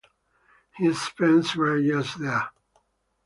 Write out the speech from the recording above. He spent several years there.